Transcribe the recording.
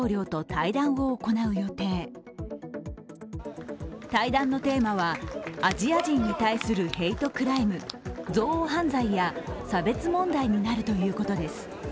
対談のテーマは、アジア人に対するヘイトクライム＝憎悪犯罪や差別問題になるということです。